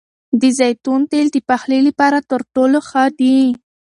د زیتون تېل د پخلي لپاره تر ټولو ښه دي.